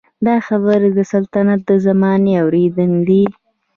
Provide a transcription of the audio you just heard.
دا خبرې د سلطنت د زمانې اړوند دي.